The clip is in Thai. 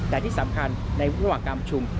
แต่ที่สำคัญในระหว่างการชุม